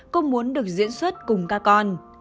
cũng muốn được diễn xuất cùng các con